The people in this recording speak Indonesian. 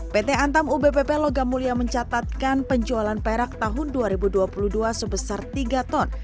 pt antam ubpp logam mulia mencatatkan penjualan perak tahun dua ribu dua puluh dua sebesar tiga ton